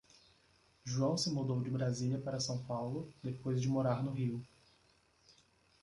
João se mudou de Brasília para São Paulo, depois de morar no Rio.